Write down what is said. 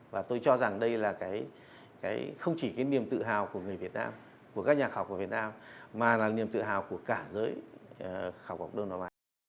và tôi cho rằng đây là không chỉ niềm tự hào của người việt nam của các nhà khảo quả việt nam mà là niềm tự hào của cả giới khảo quả học đông đông